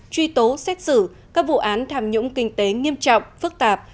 truy tố xét xử các vụ án tham nhũng kinh tế nghiêm trọng phức tạp